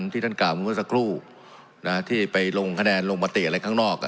ที่ท่านกล่าวเมื่อสักครู่ที่ไปลงคะแนนลงมติอะไรข้างนอก